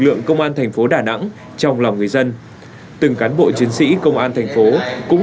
lượng công an thành phố đà nẵng trong lòng người dân từng cán bộ chiến sĩ công an thành phố cũng